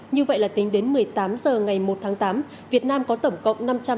như vậy là tính đến một mươi tám h ngày một tháng tám việt nam có tổng cộng năm trăm tám mươi ca